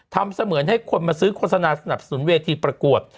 เสมือนให้คนมาซื้อโฆษณาสนับสนุนเวทีประกวด